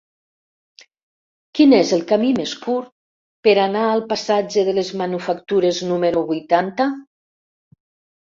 Quin és el camí més curt per anar al passatge de les Manufactures número vuitanta?